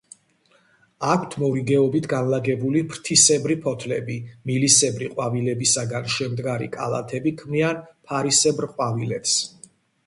აქვთ მორიგეობით განლაგებული ფრთისებრი ფოთლები; მილისებრი ყვავილებისაგან შემდგარი კალათები ქმნიან ფარისებრ ყვავილედს.